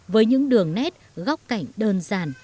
với những đường nét góc cảnh đơn giản